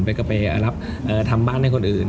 ไปกับไปทำบ้านให้คนอื่น